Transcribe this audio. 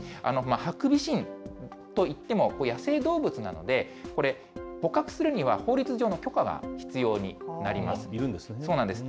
ハクビシンといっても野生動物なので、これ、捕獲するには法律上の許可が必要になりますいるんですね。